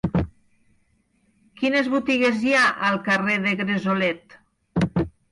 Quines botigues hi ha al carrer de Gresolet?